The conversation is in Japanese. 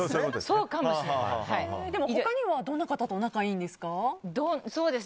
他にはどんな方と仲がいいんですか？